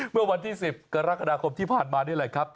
เมื่อวันที่๑๐กรกฎาคมที่ผ่านมานี่แหละครับ